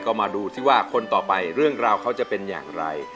ก็มาดูซิว่าคนต่อไปเรื่องราวเขาจะเป็นอย่างไร